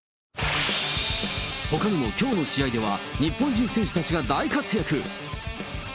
ほかにもきょうの試合では、日本人選手たちが大活躍。